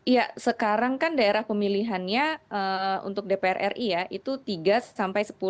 ya sekarang kan daerah pemilihannya untuk dpr ri ya itu tiga sampai sepuluh